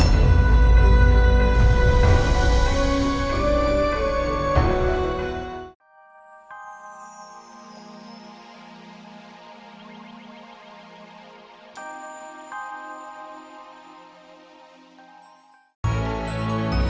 itu sangat memang